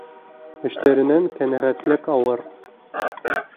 Эштәренән ҡәнәғәтлек алыр.